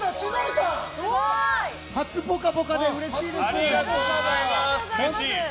初「ぽかぽか」でうれしいです。